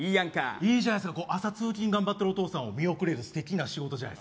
いいじゃないですか、朝通勤頑張ってるお父さんを見送れるすてきな仕事。